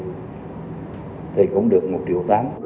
thì cũng được một triệu tám